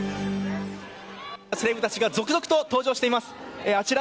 セレブたちが続々登場していますあちら